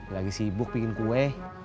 lagi sibuk bikin kue